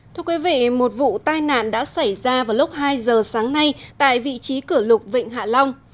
thưa quý vị một vụ tai nạn đã xảy ra vào lúc hai giờ sáng nay tại vị trí cửa lục vịnh hạ long